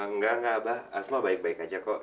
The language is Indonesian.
nggak nggak abah asma baik baik aja kok